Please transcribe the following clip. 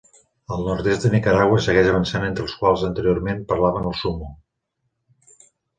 Al nord-est de Nicaragua, segueix avançant entre els quals anteriorment parlaven el Sumo.